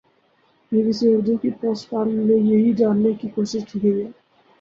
be B C Urdu کی اس podcast میں یہی جاننے کی کوشش کی گئی ہے